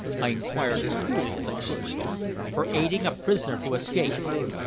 I inquired as coolly as I could. "For aiding a prisoner to escape."